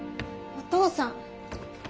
お父さん！